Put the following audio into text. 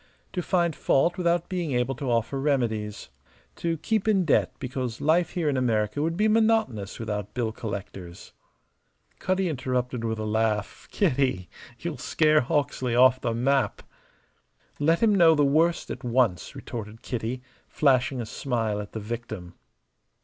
To find fault without being able to offer remedies. To keep in debt because life here in America would be monotonous without bill collectors." Cutty interrupted with a laugh. "Kitty, you'll 'scare Hawksley off the map!" "Let him know the worst at once," retorted Kitty, flashing a smile at the victim.